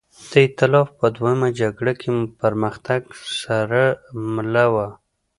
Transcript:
د اېتلاف په دویمه جګړه کې پرمختګ سره مله وه.